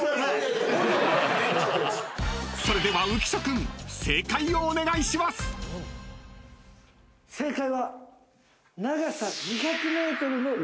［それでは浮所君正解をお願いします］でした！